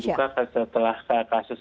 indonesia setelah kasus